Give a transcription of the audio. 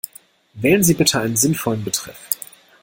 Wählen Sie bitte einen sinnvollen Betreff.